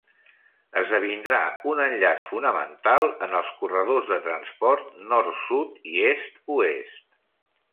Esdevindrà un enllaç fonamental en els corredors de transport nord-sud i est-oest.